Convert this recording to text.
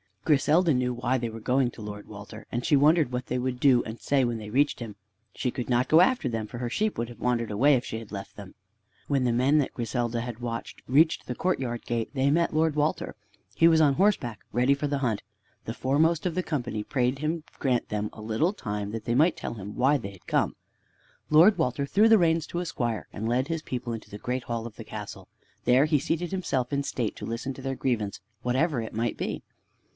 Griselda knew why they were going to Lord Walter, and she wondered what they would do and say when they reached him. She could not go after them, for her sheep would have wandered away if she had left them. When the men that Griselda had watched reached the courtyard gate, they met Lord Walter. He was on horseback ready for the hunt. The foremost of the company prayed him to grant them a little time that they might tell him why they had come. Lord Walter threw the reins to a squire, and led his people into the great hall of the castle. There he seated himself in state to listen to their grievance whatever it might be.